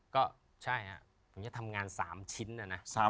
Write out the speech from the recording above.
ก็ใช่ครับผมจะทำงาน๓ชิ้นนะนะ